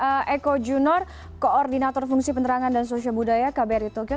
pak eko junor koordinator fungsi penerangan dan sosial budaya kbri tokyo